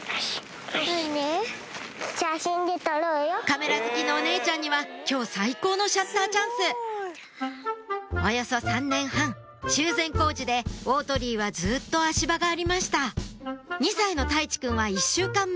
カメラ好きのお姉ちゃんには今日最高のシャッターチャンスおよそ３年半修繕工事で大鳥居はずっと足場がありました２歳の泰地くんは１週間前